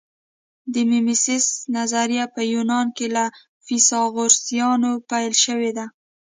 د میمیسیس نظریه په یونان کې له فیثاغورثیانو پیل شوې ده